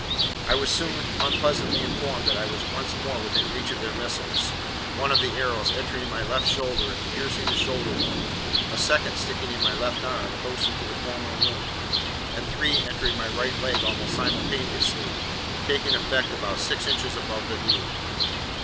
I was soon unpleasantly informed that I was once more within reach of their missiles, one of the arrows entering my left shoulder and piercing the shoulder bone, a second sticking in my left arm, close to the former wound, and three entering my right leg almost simultaneously, taking effect about six inches above the knee.